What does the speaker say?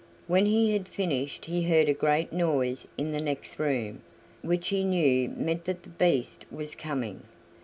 When he had finished he heard a great noise in the next room, which he knew meant that the Beast was coming.